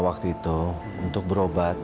waktu itu untuk berobat